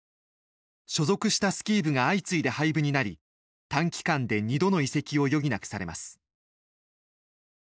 所属したスキー部が相次いで廃部になり短期間で２度の移籍を余儀なくされます。